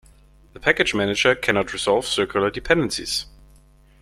The package manager cannot resolve circular dependencies.